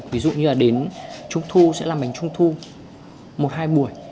ví dụ như là đến trung thu sẽ là bánh trung thu một hai buổi